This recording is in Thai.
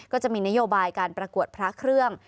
ก็จะมีนโยบายการประกวดพระเครื่อง